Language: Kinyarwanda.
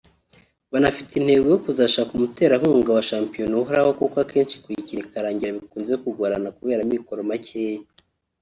Banafite intego yo kuzashaka umuterankunga wa shampiyona uhoraho kuko akenshi kuyikina ikarangira bikunze kugorana kubera amikoro makeya